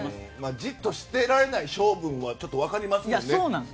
じっとしてられない性分は分かりますけどね。